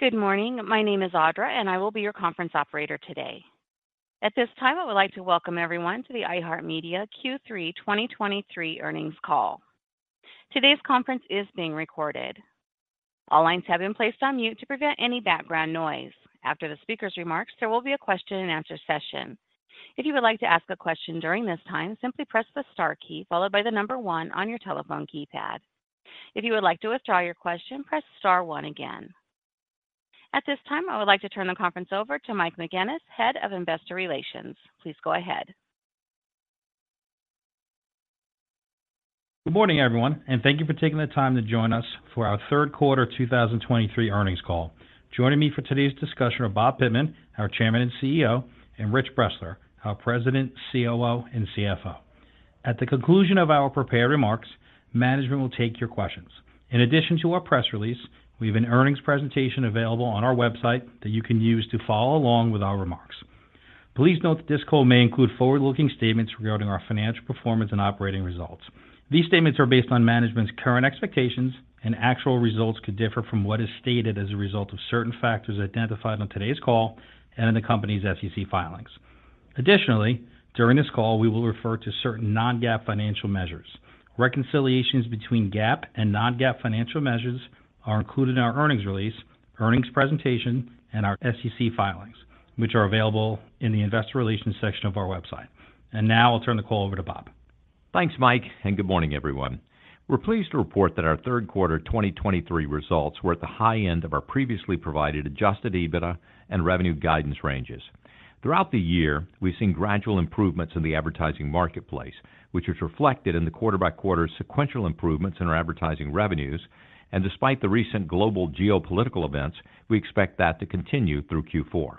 Good morning. My name is Audra, and I will be your conference operator today. At this time, I would like to welcome everyone to the iHeartMedia Q3 2023 earnings call. Today's conference is being recorded. All lines have been placed on mute to prevent any background noise. After the speaker's remarks, there will be a question-and-answer session. If you would like to ask a question during this time, simply press the star key followed by the number one on your telephone keypad. If you would like to withdraw your question, press star one again. At this time, I would like to turn the conference over to Mike McGuinness, Head of Investor Relations. Please go ahead. Good morning, everyone, and thank you for taking the time to join us for our third quarter 2023 earnings call. Joining me for today's discussion are Bob Pittman, our Chairman and CEO, and Rich Bressler, our President, COO, and CFO. At the conclusion of our prepared remarks, management will take your questions. In addition to our press release, we have an earnings presentation available on our website that you can use to follow along with our remarks. Please note that this call may include forward-looking statements regarding our financial performance and operating results. These statements are based on management's current expectations, and actual results could differ from what is stated as a result of certain factors identified on today's call and in the company's SEC filings. Additionally, during this call, we will refer to certain non-GAAP financial measures. Reconciliations between GAAP and non-GAAP financial measures are included in our earnings release, earnings presentation, and our SEC filings, which are available in the Investor Relations section of our website. Now I'll turn the call over to Bob. Thanks, Mike, and good morning, everyone. We're pleased to report that our third quarter 2023 results were at the high end of our previously provided Adjusted EBITDA and revenue guidance ranges. Throughout the year, we've seen gradual improvements in the advertising marketplace, which is reflected in the quarter-by-quarter sequential improvements in our advertising revenues, and despite the recent global geopolitical events, we expect that to continue through Q4.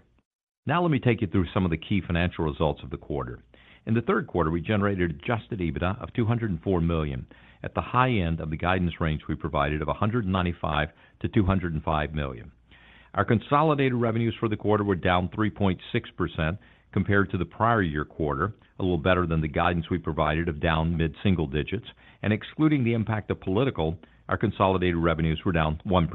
Now let me take you through some of the key financial results of the quarter. In the third quarter, we generated Adjusted EBITDA of $204 million, at the high end of the guidance range we provided of $195 million-$205 million. Our consolidated revenues for the quarter were down 3.6% compared to the prior year quarter, a little better than the guidance we provided of down mid-single digits. Excluding the impact of political, our consolidated revenues were down 1%.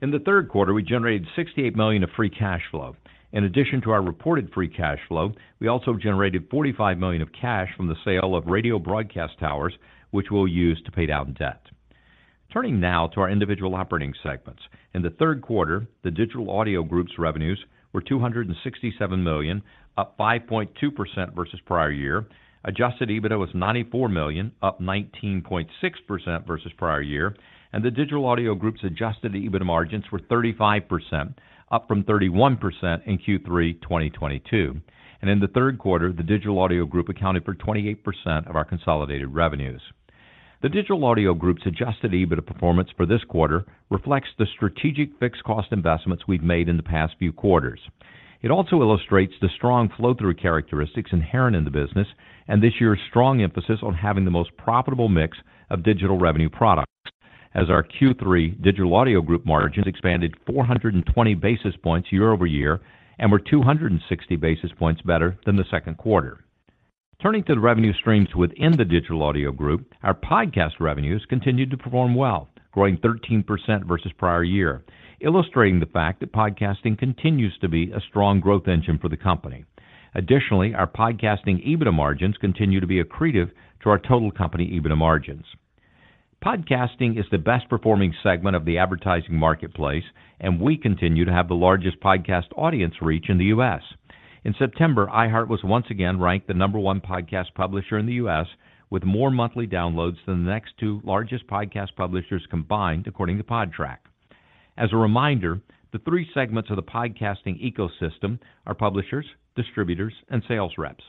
In the third quarter, we generated $68 million of Free Cash Flow. In addition to our reported Free Cash Flow, we also generated $45 million of cash from the sale of radio broadcast towers, which we'll use to pay down debt. Turning now to our individual operating segments. In the third quarter, the Digital Audio Group's revenues were $267 million, up 5.2% versus prior year. Adjusted EBITDA was $94 million, up 19.6% versus prior year, and the Digital Audio Group's adjusted EBITDA margins were 35%, up from 31% in Q3 2022. In the third quarter, the Digital Audio Group accounted for 28% of our consolidated revenues. The Digital Audio Group's Adjusted EBITDA performance for this quarter reflects the strategic fixed cost investments we've made in the past few quarters. It also illustrates the strong flow-through characteristics inherent in the business and this year's strong emphasis on having the most profitable mix of digital revenue products, as our Q3 Digital Audio Group margins expanded 420 basis points year-over-year and were 260 basis points better than the second quarter. Turning to the revenue streams within the Digital Audio Group, our podcast revenues continued to perform well, growing 13% versus prior year, illustrating the fact that podcasting continues to be a strong growth engine for the company. Additionally, our podcasting EBITDA margins continue to be accretive to our total company EBITDA margins. Podcasting is the best performing segment of the advertising marketplace, and we continue to have the largest podcast audience reach in the U.S. In September, iHeart was once again ranked the number one podcast publisher in the U.S., with more monthly downloads than the next two largest podcast publishers combined, according to Podtrac. As a reminder, the three segments of the podcasting ecosystem are publishers, distributors, and sales reps.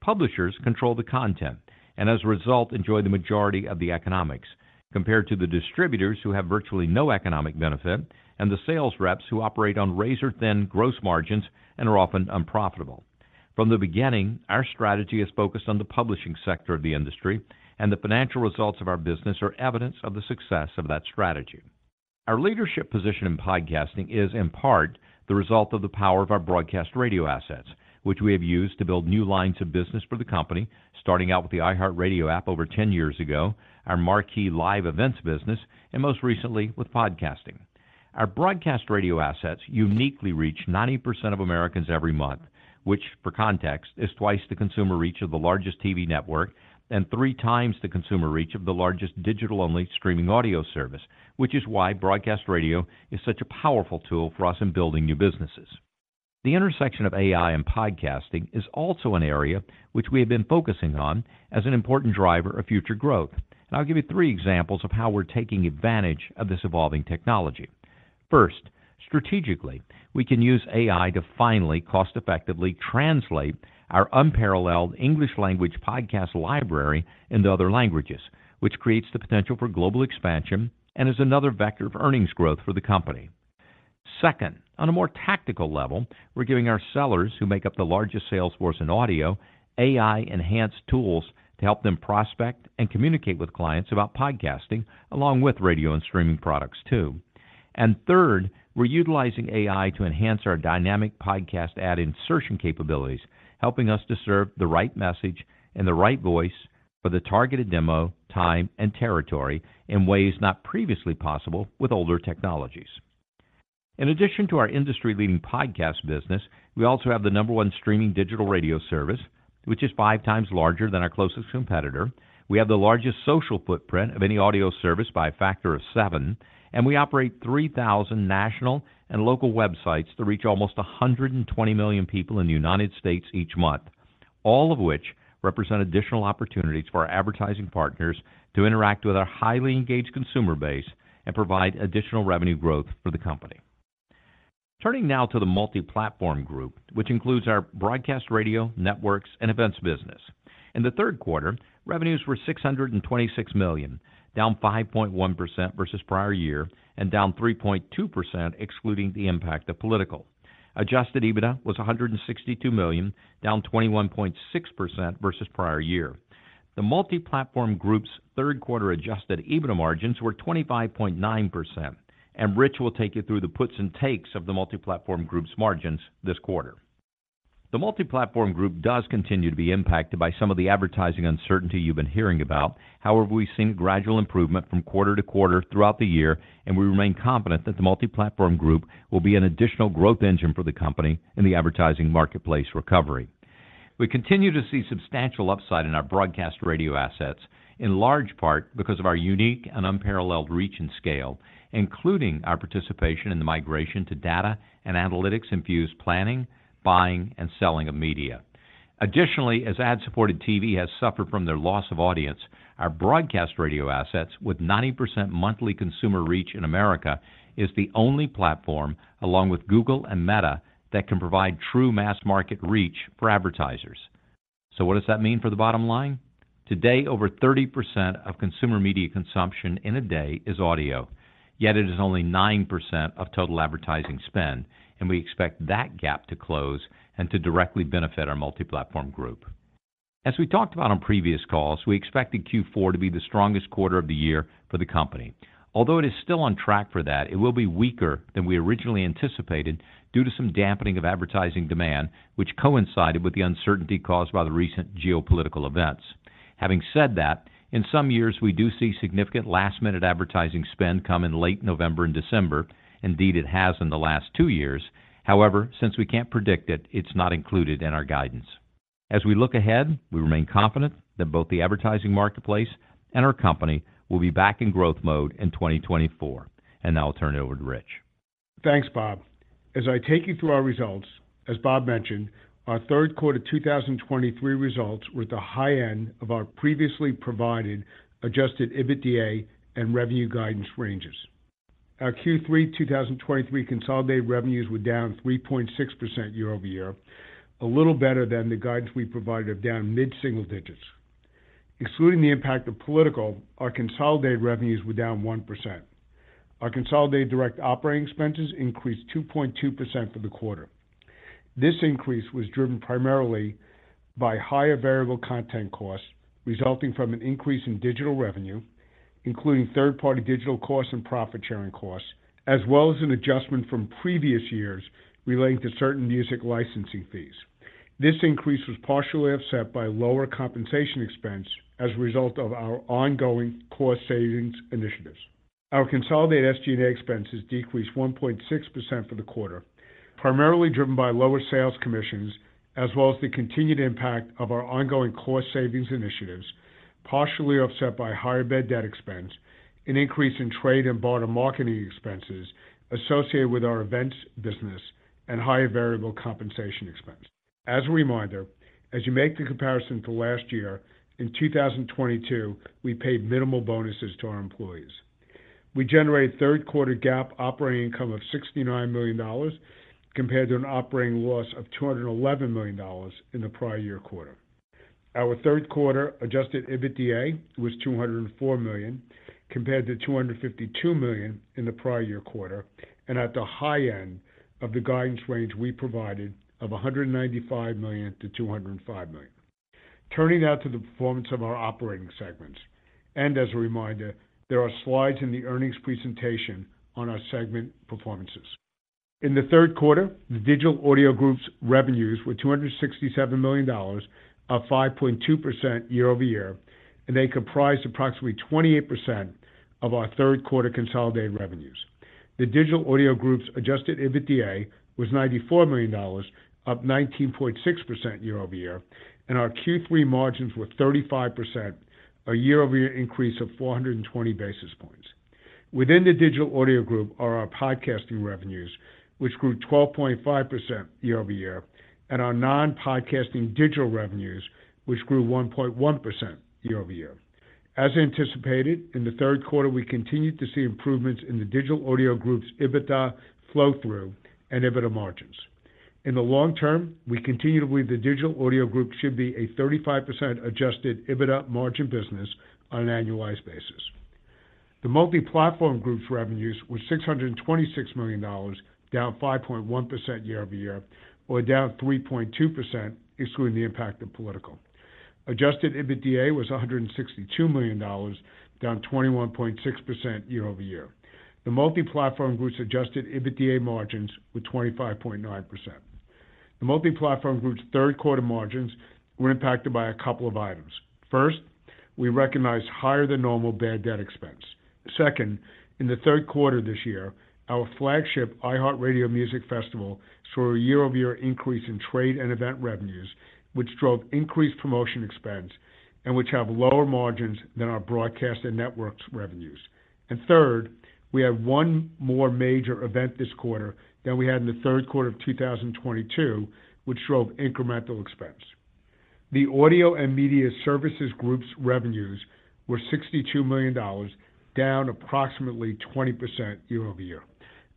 Publishers control the content and, as a result, enjoy the majority of the economics compared to the distributors, who have virtually no economic benefit, and the sales reps, who operate on razor-thin gross margins and are often unprofitable. From the beginning, our strategy has focused on the publishing sector of the industry, and the financial results of our business are evidence of the success of that strategy. Our leadership position in podcasting is, in part, the result of the power of our broadcast radio assets, which we have used to build new lines of business for the company, starting out with the iHeartRadio app over 10 years ago, our marquee live events business, and most recently with podcasting. Our broadcast radio assets uniquely reach 90% of Americans every month, which, for context, is twice the consumer reach of the largest TV network and three times the consumer reach of the largest digital-only streaming audio service, which is why broadcast radio is such a powerful tool for us in building new businesses. The intersection of AI and podcasting is also an area which we have been focusing on as an important driver of future growth. And I'll give you 3 examples of how we're taking advantage of this evolving technology. First, strategically, we can use AI to finally cost-effectively translate our unparalleled English language podcast library into other languages, which creates the potential for global expansion and is another vector of earnings growth for the company. Second, on a more tactical level, we're giving our sellers, who make up the largest sales force in audio, AI-enhanced tools to help them prospect and communicate with clients about podcasting, along with radio and streaming products, too. And third, we're utilizing AI to enhance our dynamic podcast ad insertion capabilities, helping us to serve the right message and the right voice for the targeted demo, time, and territory in ways not previously possible with older technologies. In addition to our industry-leading podcast business, we also have the number one streaming digital radio service, which is five times larger than our closest competitor. We have the largest social footprint of any audio service by a factor of seven, and we operate 3,000 national and local websites to reach almost 120 million people in the United States each month. All of which represent additional opportunities for our advertising partners to interact with our highly engaged consumer base and provide additional revenue growth for the company. Turning now to the Multiplatform Group, which includes our broadcast radio, networks, and events business. In the third quarter, revenues were $626 million, down 5.1% versus prior year, and down 3.2% excluding the impact of political. Adjusted EBITDA was $162 million, down 21.6% versus prior year. The Multiplatform Group's third quarter adjusted EBITDA margins were 25.9%, and Rich will take you through the puts and takes of the Multiplatform Group's margins this quarter. The Multiplatform Group does continue to be impacted by some of the advertising uncertainty you've been hearing about. However, we've seen gradual improvement from quarter to quarter throughout the year, and we remain confident that the Multiplatform Group will be an additional growth engine for the company in the advertising marketplace recovery. We continue to see substantial upside in our broadcast radio assets, in large part because of our unique and unparalleled reach and scale, including our participation in the migration to data and analytics-infused planning, buying, and selling of media. Additionally, as ad-supported TV has suffered from their loss of audience, our broadcast radio assets, with 90% monthly consumer reach in America, is the only platform, along with Google and Meta, that can provide true mass-market reach for advertisers. So what does that mean for the bottom line? Today, over 30% of consumer media consumption in a day is audio, yet it is only 9% of total advertising spend, and we expect that gap to close and to directly benefit our Multiplatform Group. As we talked about on previous calls, we expected Q4 to be the strongest quarter of the year for the company. Although it is still on track for that, it will be weaker than we originally anticipated due to some dampening of advertising demand, which coincided with the uncertainty caused by the recent geopolitical events. Having said that, in some years, we do see significant last-minute advertising spend come in late November and December. Indeed, it has in the last two years. However, since we can't predict it, it's not included in our guidance. As we look ahead, we remain confident that both the advertising marketplace and our company will be back in growth mode in 2024. And now I'll turn it over to Rich. Thanks, Bob. As I take you through our results, as Bob mentioned, our third quarter 2023 results were at the high end of our previously provided Adjusted EBITDA and revenue guidance ranges. Our Q3 2023 consolidated revenues were down 3.6% year-over-year, a little better than the guidance we provided of down mid-single digits. Excluding the impact of political, our consolidated revenues were down 1%. Our consolidated direct operating expenses increased 2.2% for the quarter. This increase was driven primarily by higher variable content costs, resulting from an increase in digital revenue, including third-party digital costs and profit-sharing costs, as well as an adjustment from previous years relating to certain music licensing fees. This increase was partially offset by lower compensation expense as a result of our ongoing cost savings initiatives. Our consolidated SG&A expenses decreased 1.6% for the quarter, primarily driven by lower sales commissions, as well as the continued impact of our ongoing cost savings initiatives, partially offset by higher bad debt expense, an increase in trade and barter marketing expenses associated with our events business, and higher variable compensation expense. As a reminder, as you make the comparison to last year, in 2022, we paid minimal bonuses to our employees. We generated third quarter GAAP operating income of $69 million, compared to an operating loss of $211 million in the prior year quarter. Our third quarter Adjusted EBITDA was $204 million, compared to $252 million in the prior year quarter, and at the high end of the guidance range we provided of $195 million-$205 million. Turning now to the performance of our operating segments, and as a reminder, there are slides in the earnings presentation on our segment performances. In the third quarter, the Digital Audio Group's revenues were $267 million, up 5.2% year-over-year, and they comprised approximately 28% of our third quarter consolidated revenues. The Digital Audio Group's Adjusted EBITDA was $94 million, up 19.6% year-over-year, and our Q3 margins were 35%, a year-over-year increase of 420 basis points. Within the Digital Audio Group are our podcasting revenues, which grew 12.5% year-over-year, and our non-podcasting digital revenues, which grew 1.1% year-over-year. As anticipated, in the third quarter, we continued to see improvements in the Digital Audio Group's EBITDA flow-through and EBITDA margins. In the long term, we continue to believe the Digital Audio Group should be a 35% adjusted EBITDA margin business on an annualized basis. The Multiplatform Group's revenues were $626 million, down 5.1% year-over-year, or down 3.2%, excluding the impact of political. Adjusted EBITDA was $162 million, down 21.6% year-over-year. The Multiplatform Group's adjusted EBITDA margins were 25.9%.... The Multiplatform Group's third quarter margins were impacted by a couple of items. First, we recognized higher than normal bad debt expense. Second, in the third quarter this year, our flagship iHeartRadio Music Festival saw a year-over-year increase in trade and event revenues, which drove increased promotion expense and which have lower margins than our broadcast and networks revenues. And third, we had one more major event this quarter than we had in the third quarter of 2022, which drove incremental expense. The Audio and Media Services Group's revenues were $62 million, down approximately 20% year-over-year,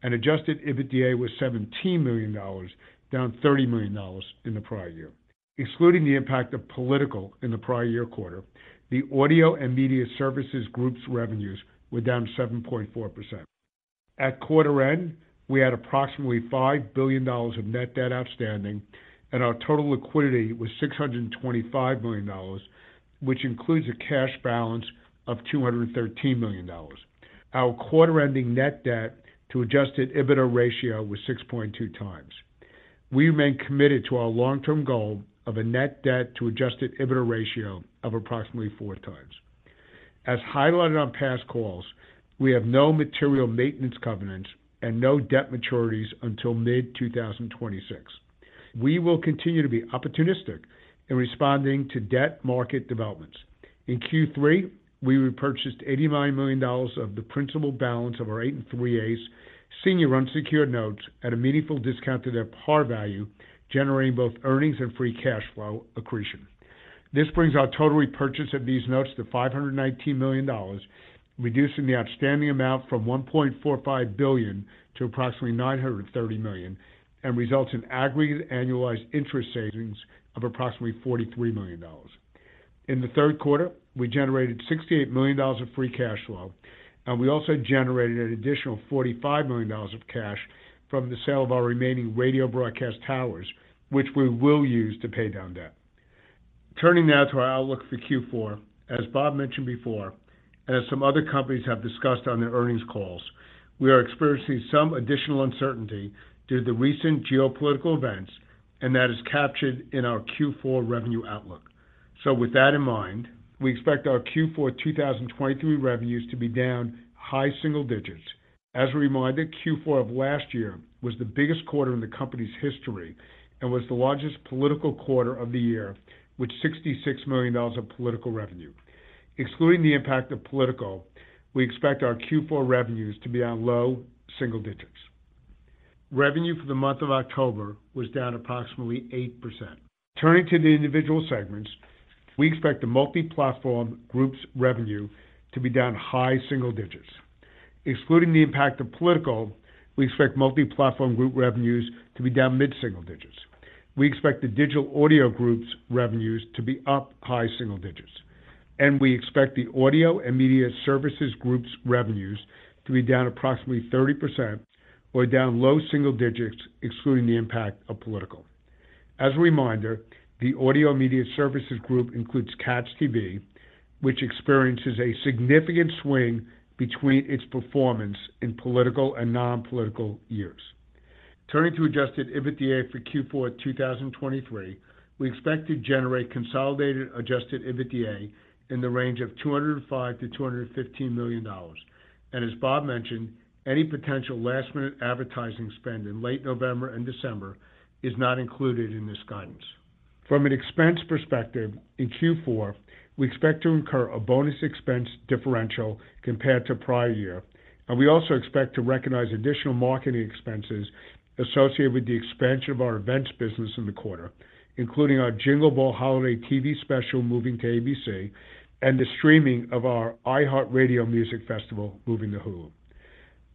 and Adjusted EBITDA was $17 million, down $30 million in the prior year. Excluding the impact of political in the prior year quarter, the Audio and Media Services Group's revenues were down 7.4%. At quarter end, we had approximately $5 billion of net debt outstanding, and our total liquidity was $625 million, which includes a cash balance of $213 million. Our quarter-ending net debt to Adjusted EBITDA ratio was 6.2 times. We remain committed to our long-term goal of a net debt to Adjusted EBITDA ratio of approximately 4 times. As highlighted on past calls, we have no material maintenance covenants and no debt maturities until mid-2026. We will continue to be opportunistic in responding to debt market developments. In Q3, we repurchased $89 million of the principal balance of our 8 3/8 senior unsecured notes at a meaningful discount to their par value, generating both earnings and free cash flow accretion. This brings our total repurchase of these notes to $519 million, reducing the outstanding amount from $1.45 billion to approximately $930 million, and results in aggregate annualized interest savings of approximately $43 million. In the third quarter, we generated $68 million of free cash flow, and we also generated an additional $45 million of cash from the sale of our remaining radio broadcast towers, which we will use to pay down debt. Turning now to our outlook for Q4, as Bob mentioned before, and as some other companies have discussed on their earnings calls, we are experiencing some additional uncertainty due to the recent geopolitical events, and that is captured in our Q4 revenue outlook. So with that in mind, we expect our Q4 2023 revenues to be down high single digits. As a reminder, Q4 of last year was the biggest quarter in the company's history and was the largest political quarter of the year, with $66 million of political revenue. Excluding the impact of political, we expect our Q4 revenues to be down low single digits. Revenue for the month of October was down approximately 8%. Turning to the individual segments, we expect the Multiplatform Group's revenue to be down high single digits. Excluding the impact of political, we expect Multiplatform Group revenues to be down mid-single digits. We expect the Digital Audio Group's revenues to be up high single digits, and we expect the Audio and Media Services Group's revenues to be down approximately 30% or down low single digits, excluding the impact of political. As a reminder, the Audio and Media Services Group includes Katz TV, which experiences a significant swing between its performance in political and non-political years. Turning to Adjusted EBITDA for Q4 2023, we expect to generate consolidated Adjusted EBITDA in the range of $205 million-$215 million. And as Bob mentioned, any potential last-minute advertising spend in late November and December is not included in this guidance. From an expense perspective, in Q4, we expect to incur a bonus expense differential compared to prior year, and we also expect to recognize additional marketing expenses associated with the expansion of our events business in the quarter, including our Jingle Ball Holiday TV special, moving to ABC, and the streaming of our iHeartRadio Music Festival, moving to Hulu.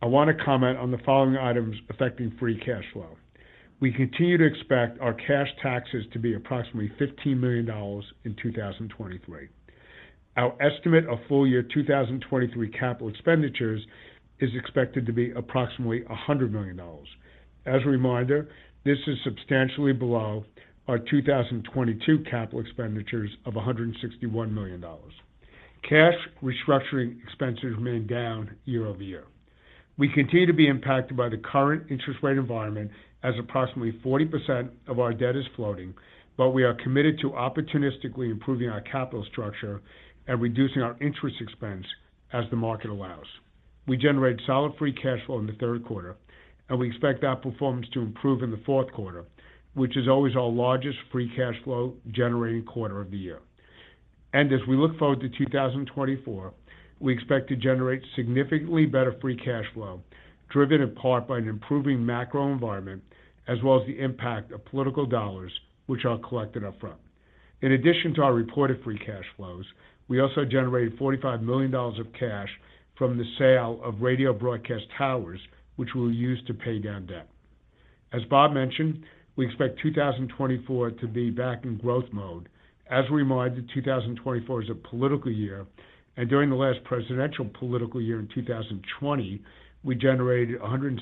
I want to comment on the following items affecting Free Cash Flow. We continue to expect our cash taxes to be approximately $15 million in 2023. Our estimate of full year 2023 capital expenditures is expected to be approximately $100 million. As a reminder, this is substantially below our 2022 capital expenditures of $161 million. Cash restructuring expenses remain down year-over-year. We continue to be impacted by the current interest rate environment, as approximately 40% of our debt is floating, but we are committed to opportunistically improving our capital structure and reducing our interest expense as the market allows. We generated solid free cash flow in the third quarter, and we expect that performance to improve in the fourth quarter, which is always our largest free cash flow-generating quarter of the year. As we look forward to 2024, we expect to generate significantly better Free Cash Flow, driven in part by an improving macro environment, as well as the impact of political dollars, which are collected upfront. In addition to our reported Free Cash Flows, we also generated $45 million of cash from the sale of radio broadcast towers, which we'll use to pay down debt. As Bob mentioned, we expect 2024 to be back in growth mode. As a reminder, 2024 is a political year, and during the last presidential political year in 2020, we generated $167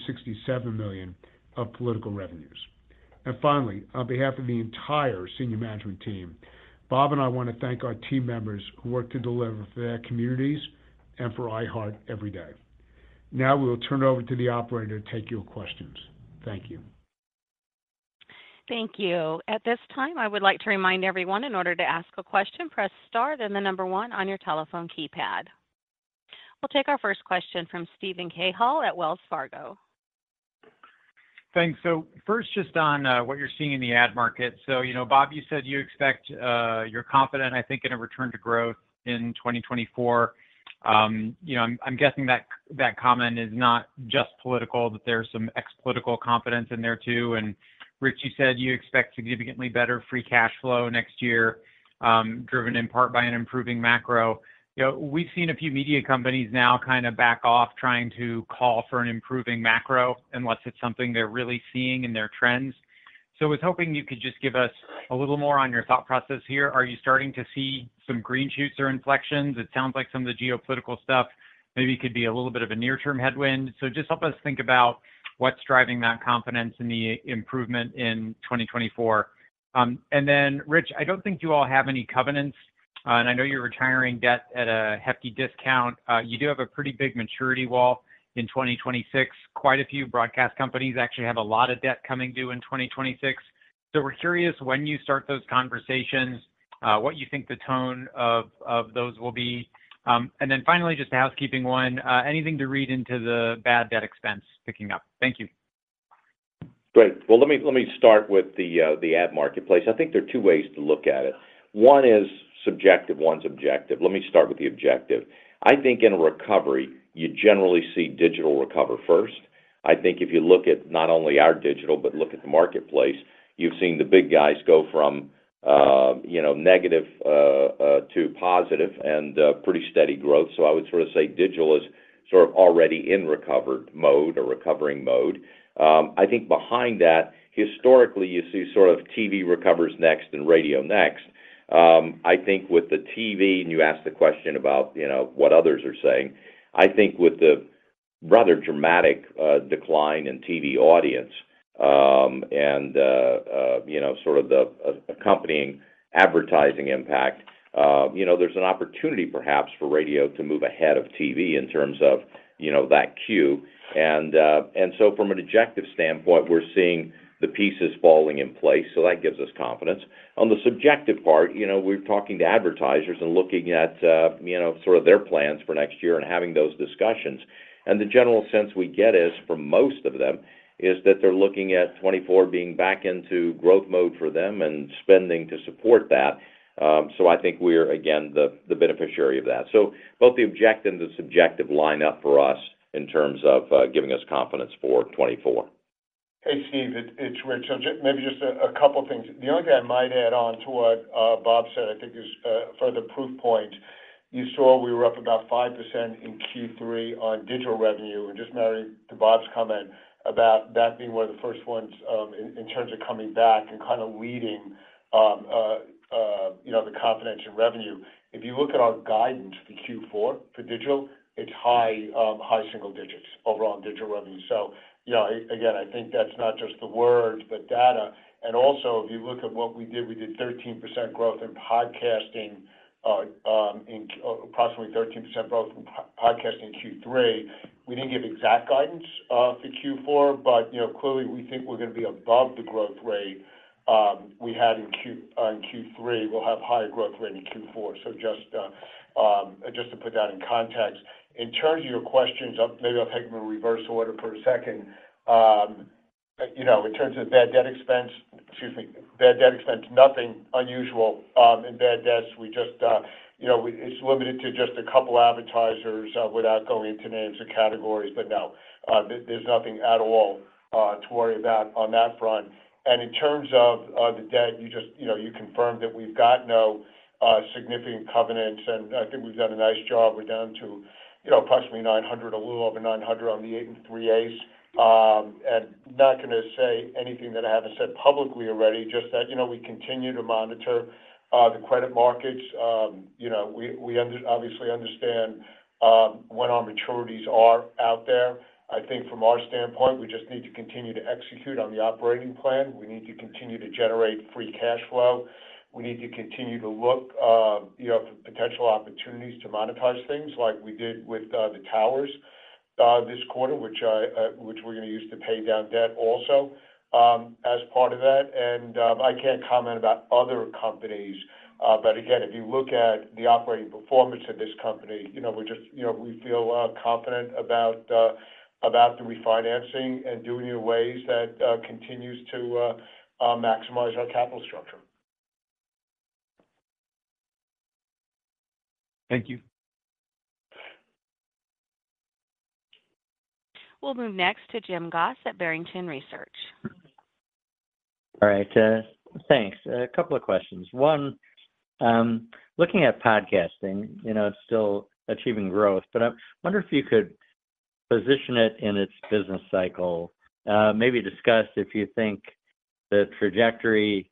million of political revenues. Finally, on behalf of the entire senior management team, Bob and I want to thank our team members who work to deliver for their communities and for iHeart every day.... Now we will turn it over to the operator to take your questions. Thank you. Thank you. At this time, I would like to remind everyone, in order to ask a question, press Star, then the number one on your telephone keypad. We'll take our first question from Steven Cahall at Wells Fargo. Thanks. So first, just on what you're seeing in the ad market. So, you know, Bob, you said you expect you're confident, I think, in a return to growth in 2024. You know, I'm guessing that comment is not just political, that there's some ex-political confidence in there, too. And Rich, you said you expect significantly better Free Cash Flow next year, driven in part by an improving macro. You know, we've seen a few media companies now kind of back off, trying to call for an improving macro, unless it's something they're really seeing in their trends. So I was hoping you could just give us a little more on your thought process here. Are you starting to see some green shoots or inflections? It sounds like some of the geopolitical stuff maybe could be a little bit of a near-term headwind. So just help us think about what's driving that confidence in the improvement in 2024. And then Rich, I don't think you all have any covenants, and I know you're retiring debt at a hefty discount. You do have a pretty big maturity wall in 2026. Quite a few broadcast companies actually have a lot of debt coming due in 2026. So we're curious, when you start those conversations, what you think the tone of those will be. And then finally, just a housekeeping one, anything to read into the bad debt expense picking up? Thank you. Great. Well, let me, let me start with the, the ad marketplace. I think there are two ways to look at it. One is subjective, one's objective. Let me start with the objective. I think in a recovery, you generally see digital recover first. I think if you look at not only our digital, but look at the marketplace, you've seen the big guys go from, you know, negative, to positive and, pretty steady growth. So I would sort of say digital is sort of already in recovered mode or recovering mode. I think behind that, historically, you see sort of TV recovers next and radio next. I think with the TV, and you asked the question about, you know, what others are saying, I think with the rather dramatic decline in TV audience, and you know, sort of the accompanying advertising impact, you know, there's an opportunity perhaps for radio to move ahead of TV in terms of, you know, that queue. And so from an objective standpoint, we're seeing the pieces falling in place, so that gives us confidence. On the subjective part, you know, we're talking to advertisers and looking at, you know, sort of their plans for next year and having those discussions. And the general sense we get is, for most of them, is that they're looking at 2024 being back into growth mode for them and spending to support that. So I think we're, again, the beneficiary of that. So both the objective and the subjective line up for us in terms of, giving us confidence for 2024. Hey, Steve, it's Rich. So maybe just a couple of things. The only thing I might add on to what Bob said, I think is a further proof point. You saw we were up about 5% in Q3 on digital revenue, and just mirroring Bob's comment about that being one of the first ones in terms of coming back and kind of leading, you know, the confidence in revenue. If you look at our guidance for Q4 for digital, it's high single digits overall in digital revenue. So, you know, again, I think that's not just the words, but data. And also, if you look at what we did, we did 13% growth in podcasting, approximately 13% growth in podcasting in Q3. We didn't give exact guidance for Q4, but you know, clearly, we think we're going to be above the growth rate we had in Q3. We'll have higher growth rate in Q4. So just to put that in context. In terms of your questions, maybe I'll take them in reverse order for a second. You know, in terms of bad debt expense, excuse me, bad debt expense, nothing unusual in bad debts. We just, you know, it's limited to just a couple advertisers without going into names or categories. But no, there's nothing at all to worry about on that front. And in terms of the debt, you just, you know, you confirmed that we've got no significant covenants, and I think we've done a nice job. We're down to, you know, approximately 900, a little over 900 on the 8 3/8. And not going to say anything that I haven't said publicly already, just that, you know, we continue to monitor the credit markets. You know, we obviously understand when our maturities are out there. I think from our standpoint, we just need to continue to execute on the operating plan. We need to continue to generate Free Cash Flow. We need to continue to look, you know, for potential opportunities to monetize things like we did with the towers this quarter, which we're going to use to pay down debt also, as part of that. I can't comment about other companies, but again, if you look at the operating performance of this company, you know, we just, you know, we feel confident about the refinancing and doing it in ways that continues to maximize our capital structure. Thank you. We'll move next to Jim Goss at Barrington Research. All right, thanks. A couple of questions. One, looking at podcasting, you know, it's still achieving growth, but I wonder if you could position it in its business cycle. Maybe discuss if you think the trajectory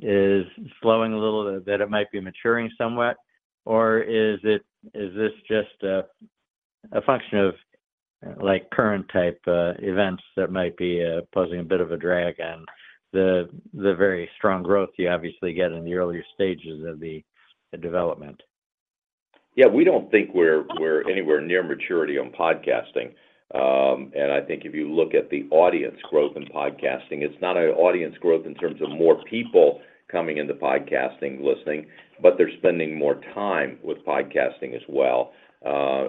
is slowing a little bit, that it might be maturing somewhat, or is it just a function of, like, current type events that might be posing a bit of a drag on the very strong growth you obviously get in the earlier stages of the development?... Yeah, we don't think we're anywhere near maturity on podcasting. I think if you look at the audience growth in podcasting, it's not an audience growth in terms of more people coming into podcasting, listening, but they're spending more time with podcasting as well.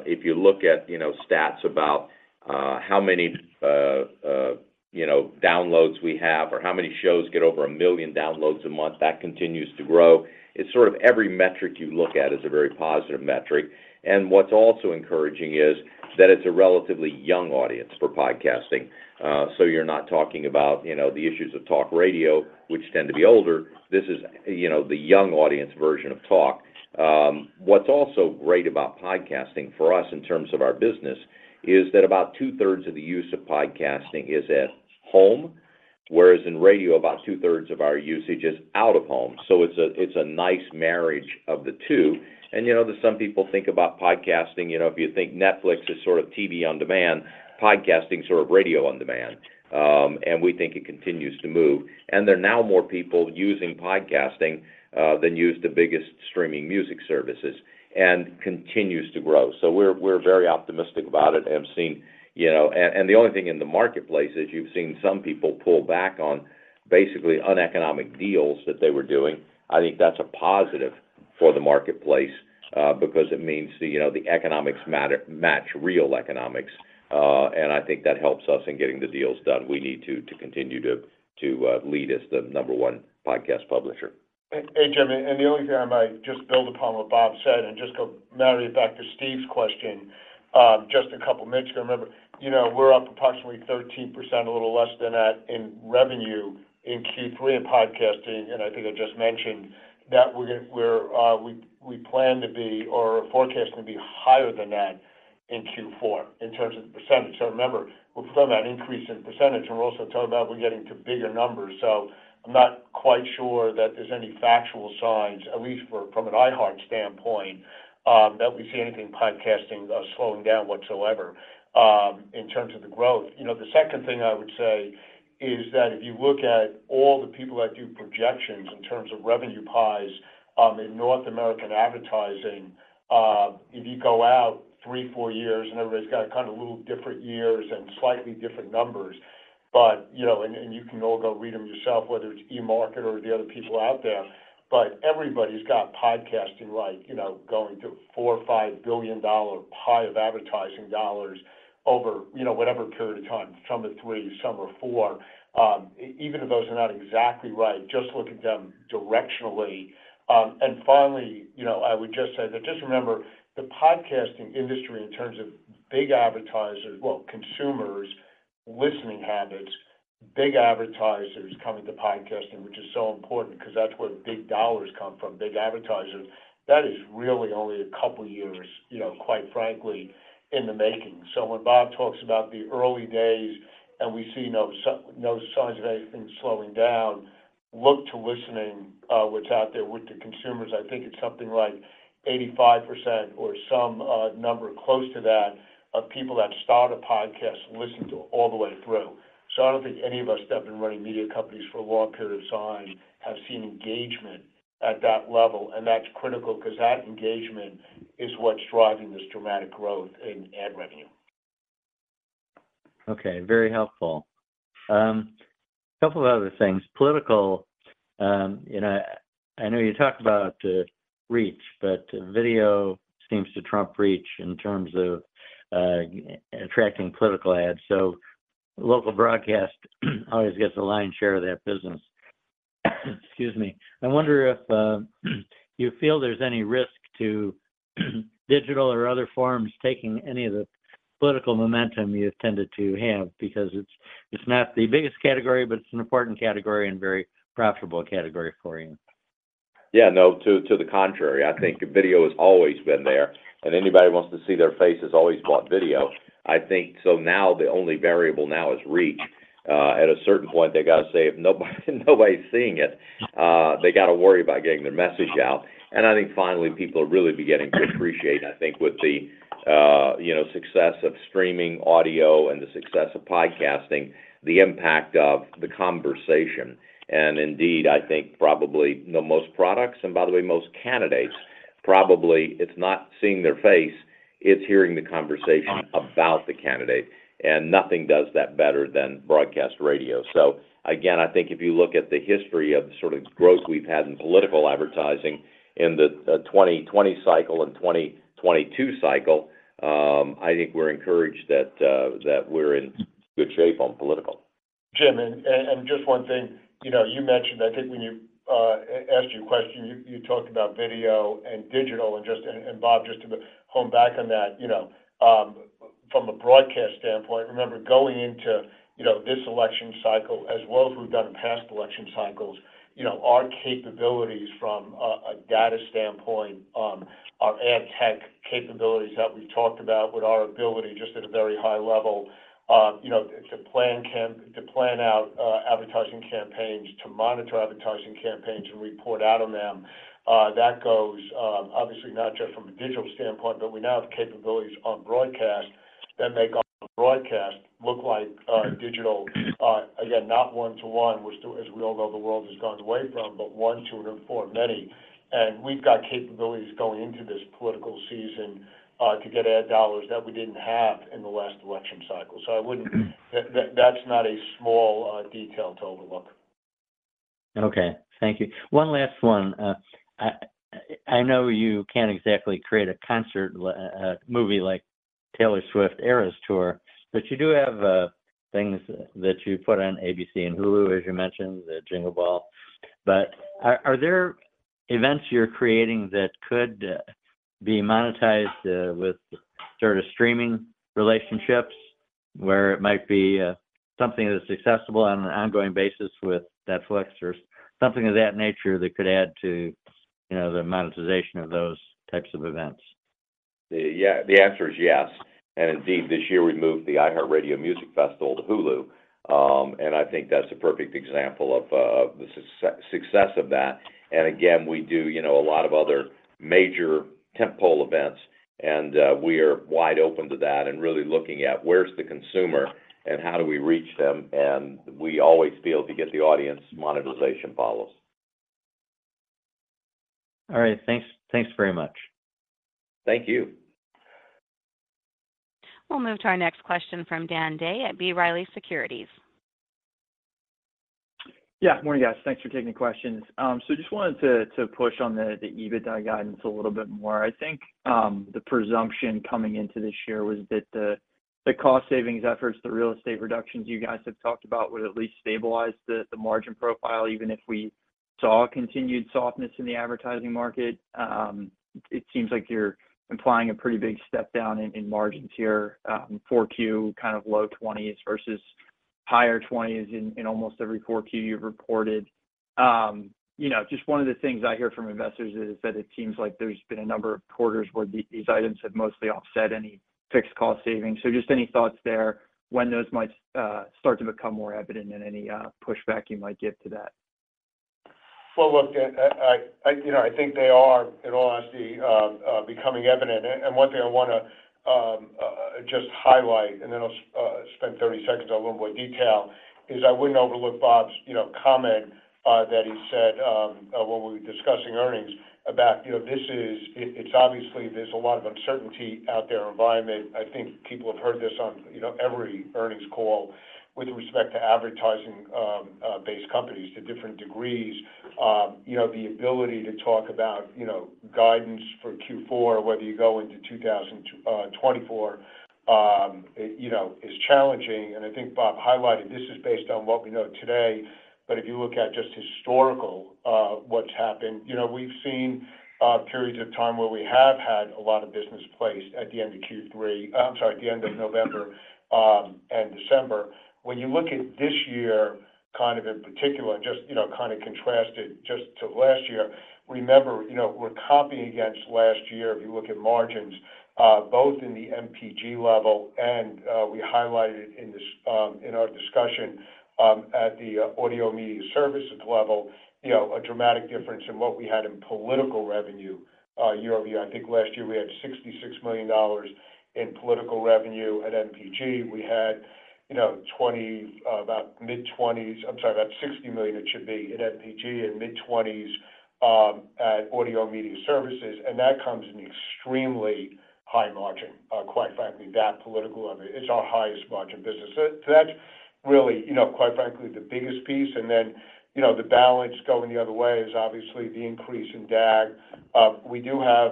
If you look at, you know, stats about, you know, downloads we have or how many shows get over 1 million downloads a month, that continues to grow. It's sort of every metric you look at is a very positive metric, and what's also encouraging is that it's a relatively young audience for podcasting. So you're not talking about, you know, the issues of talk radio, which tend to be older. This is, you know, the young audience version of talk. What's also great about podcasting for us, in terms of our business, is that about two-thirds of the use of podcasting is at home, whereas in radio, about two-thirds of our usage is out of home. So it's a nice marriage of the two. And, you know, some people think about podcasting, you know, if you think Netflix is sort of TV on demand, podcasting is sort of radio on demand, and we think it continues to move. And there are now more people using podcasting than use the biggest streaming music services, and continues to grow. So we're very optimistic about it and have seen... You know, and the only thing in the marketplace is you've seen some people pull back on basically uneconomic deals that they were doing. I think that's a positive for the marketplace, because it means the, you know, the economics match real economics, and I think that helps us in getting the deals done. We need to continue to lead as the number one podcast publisher. Hey, Jim, and the only thing I might just build upon what Bob said, and just to marry it back to Steve's question, just a couple of minutes ago. Remember, you know, we're up approximately 13%, a little less than that in revenue in Q3 in podcasting, and I think I just mentioned that we're gonna, we plan to be or forecast to be higher than that in Q4, in terms of percentage. So remember, we're from that increase in percentage, and we're also talking about we're getting to bigger numbers, so I'm not quite sure that there's any factual signs, at least from an iHeart standpoint, that we see anything in podcasting slowing down whatsoever, in terms of the growth. You know, the second thing I would say is that if you look at all the people that do projections in terms of revenue pies, in North American advertising, if you go out 3, 4 years, and everybody's got kind of little different years and slightly different numbers, but, you know, and, and you can all go read them yourself, whether it's eMarketer or the other people out there, but everybody's got podcasting like, you know, going to $4-$5 billion pie of advertising dollars over, you know, whatever period of time. Some are 3, some are 4. Even if those are not exactly right, just look at them directionally. And finally, you know, I would just say that, just remember, the podcasting industry, in terms of big advertisers, well, consumers' listening habits, big advertisers coming to podcasting, which is so important because that's where big dollars come from, big advertisers, that is really only a couple of years, you know, quite frankly, in the making. So when Bob talks about the early days, and we see no signs of anything slowing down, look to listening, what's out there with the consumers. I think it's something like 85% or some number close to that of people that start a podcast, listen to it all the way through. I don't think any of us that have been running media companies for a long period of time have seen engagement at that level, and that's critical because that engagement is what's driving this dramatic growth in ad revenue. Okay, very helpful. A couple of other things. Political, you know, I know you talked about reach, but video seems to trump reach in terms of attracting political ads. So local broadcast always gets the lion's share of that business. Excuse me. I wonder if you feel there's any risk to digital or other forms taking any of the political momentum you've tended to have? Because it's not the biggest category, but it's an important category and a very profitable category for you. Yeah, no, to the contrary, I think video has always been there, and anybody who wants to see their face has always bought video. I think, so now the only variable now is reach. At a certain point, they got to say, if nobody, nobody's seeing it, they got to worry about getting their message out. And I think finally, people are really beginning to appreciate, I think, with the, you know, success of streaming audio and the success of podcasting, the impact of the conversation. And indeed, I think probably the most products, and by the way, most candidates, probably it's not seeing their face, it's hearing the conversation about the candidate, and nothing does that better than broadcast radio. So again, I think if you look at the history of the sort of growth we've had in political advertising in the 2020 cycle and 2022 cycle, I think we're encouraged that that we're in good shape on political. Jim, just one thing. You know, you mentioned, I think when you answered your question, you talked about video and digital, and Bob, just to come back on that, you know, from a broadcast standpoint, remember, going into, you know, this election cycle, as well as we've done in past election cycles, you know, our capabilities from a data standpoint, our ad tech capabilities that we talked about with our ability just at a very high level, you know, to plan out advertising campaigns, to monitor advertising campaigns, and report out on them, that goes, obviously not just from a digital standpoint, but we now have capabilities on broadcast that make our-... broadcast look like, digital, again, not one-to-one, which, too, as we all know, the world has gone away from, but one to and for many. And we've got capabilities going into this political season to get ad dollars that we didn't have in the last election cycle. So, that's not a small detail to overlook. Okay, thank you. One last one. I know you can't exactly create a concert, a movie like Taylor Swift Eras Tour, but you do have things that you put on ABC and Hulu, as you mentioned, the Jingle Ball. But are there events you're creating that could be monetized with sort of streaming relationships, where it might be something that's accessible on an ongoing basis with that Netflix or something of that nature that could add to, you know, the monetization of those types of events? Yeah, the answer is yes. Indeed, this year, we moved the iHeartRadio Music Festival to Hulu. And I think that's a perfect example of the success of that. And again, we do, you know, a lot of other major tentpole events, and we are wide open to that and really looking at where's the consumer and how do we reach them, and we always feel to get the audience monetization follows. All right, thanks. Thanks very much. Thank you. We'll move to our next question from Dan Day at B. Riley Securities. Yeah, morning, guys. Thanks for taking the questions. So just wanted to push on the EBITDA guidance a little bit more. I think, the presumption coming into this year was that the cost savings efforts, the real estate reductions you guys have talked about, would at least stabilize the margin profile, even if we saw a continued softness in the advertising market. It seems like you're implying a pretty big step down in margins here, Q4, kind of low 20s versus higher 20s in almost every Q4 you've reported. You know, just one of the things I hear from investors is that it seems like there's been a number of quarters where these items have mostly offset any fixed cost savings. So just any thoughts there, when those might start to become more evident and any pushback you might give to that? Well, look, I, you know, I think they are, in all honesty, becoming evident. And one thing I want to just highlight, and then I'll spend 30 seconds on a little more detail, is I wouldn't overlook Bob's, you know, comment that he said when we were discussing earnings about, you know, it's obviously there's a lot of uncertainty out there in the environment. I think people have heard this on, you know, every earnings call with respect to advertising-based companies to different degrees. You know, the ability to talk about, you know, guidance for Q4, whether you go into 2024, you know, is challenging. And I think Bob highlighted this is based on what we know today. But if you look at just historical, what's happened, you know, we've seen periods of time where we have had a lot of business placed at the end of Q3- I'm sorry, at the end of November, and December. When you look at this year, kind of in particular, just, you know, kinda contrasted just to last year, remember, you know, we're comping against last year. If you look at margins, both in the MPG level, and we highlighted in this, in our discussion, at the Audio and Media Services level, you know, a dramatic difference in what we had in political revenue, year-over-year. I think last year we had $66 million in political revenue at MPG. We had, you know, 20, about mid-20s- I'm sorry, about $60 million it should be at MPG and mid-20s, at Audio and Media Services, and that comes in extremely high margin, quite frankly, that political level. It's our highest margin business. So that's really, you know, quite frankly, the biggest piece, and then, you know, the balance going the other way is obviously the increase in DAG. We do have,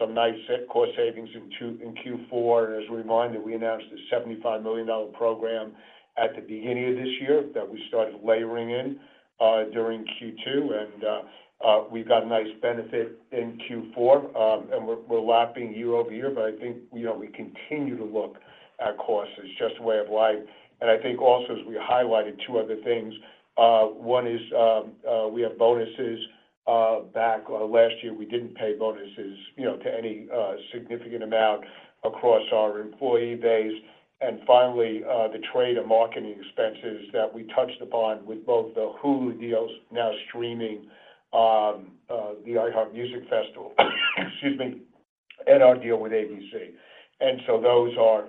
some nice net cost savings in Q4. And as a reminder, we announced a $75 million program at the beginning of this year that we started layering in, during Q2, and, we've got a nice benefit in Q4, and we're, we're lapping year-over-year, but I think, you know, we continue to look at costs as just a way of life. I think also as we highlighted two other things, one is we have bonuses. Back last year, we didn't pay bonuses, you know, to any significant amount across our employee base. And finally, the trade and marketing expenses that we touched upon with both the Hulu deals now streaming, the iHeart Music Festival, excuse me, and our deal with ABC. And so those are,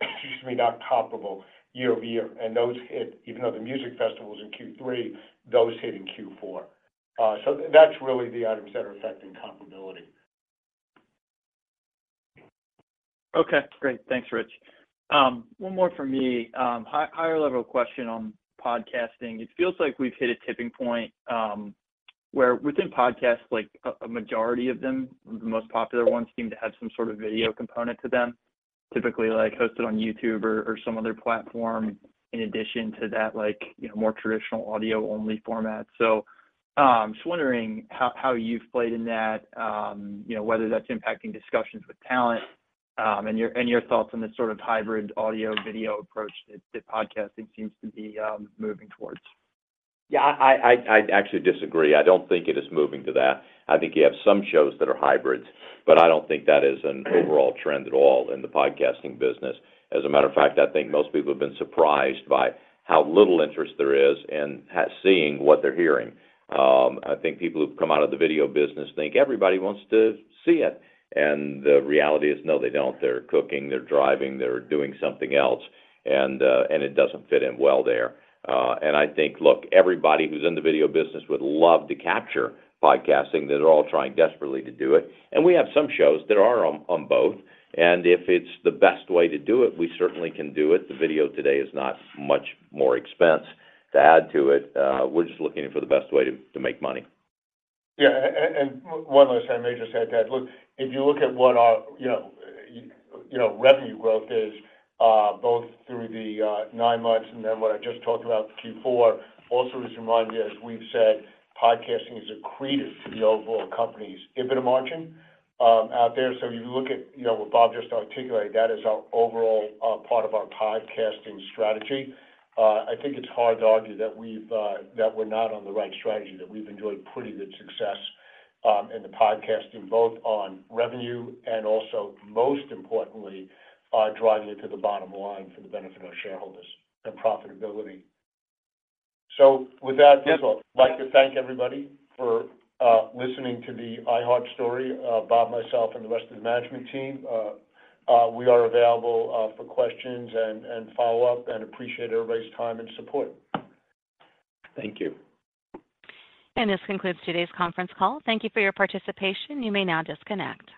excuse me, not comparable year-over-year, and those hit even though the music festival was in Q3, those hit in Q4. So that's really the items that are affecting comparability. Okay, great. Thanks, Rich. One more for me. Higher level question on podcasting. It feels like we've hit a tipping point, where within podcasts, like a majority of them, the most popular ones, seem to have some sort of video component to them, typically, like, hosted on YouTube or some other platform, in addition to that, like, you know, more traditional audio-only format. So, just wondering how you've played in that, you know, whether that's impacting discussions with talent, and your thoughts on this sort of hybrid audio video approach that podcasting seems to be moving towards. Yeah, I actually disagree. I don't think it is moving to that. I think you have some shows that are hybrids, but I don't think that is an overall trend at all in the podcasting business. As a matter of fact, I think most people have been surprised by how little interest there is in seeing what they're hearing. I think people who've come out of the video business think everybody wants to see it, and the reality is, no, they don't. They're cooking, they're driving, they're doing something else, and it doesn't fit in well there. And I think, look, everybody who's in the video business would love to capture podcasting. They're all trying desperately to do it. We have some shows that are on, on both, and if it's the best way to do it, we certainly can do it. The video today is not much more expensive to add to it. We're just looking for the best way to, to make money. Yeah, and one last time, I just add that. Look, if you look at what our, you know, you know, revenue growth is, both through the nine months and then what I just talked about, Q4, also, just remind you, as we've said, podcasting is accretive to the overall company's EBITDA margin, out there. So if you look at, you know, what Bob just articulated, that is our overall, part of our podcasting strategy. I think it's hard to argue that we've, that we're not on the right strategy, that we've enjoyed pretty good success, in the podcasting, both on revenue and also, most importantly, driving it to the bottom line for the benefit of our shareholders and profitability. So with that, I'd like to thank everybody for listening to the iHeart story, Bob, myself, and the rest of the management team. We are available for questions and follow-up, and appreciate everybody's time and support. Thank you. This concludes today's conference call. Thank you for your participation. You may now disconnect.